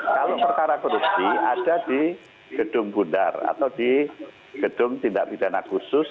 kalau perkara korupsi ada di gedung bundar atau di gedung tindak pidana khusus